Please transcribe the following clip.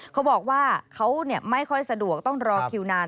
เขาบอกว่าเขาไม่ค่อยสะดวกต้องรอคิวนาน